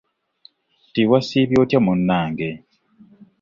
Nti wasiibye oyta munange ?